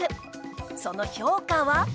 その評価は？